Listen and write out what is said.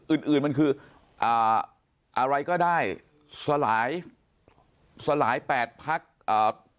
อื่นอื่นมันคืออ่าอะไรก็ได้สลายสลายแปดพักอ่า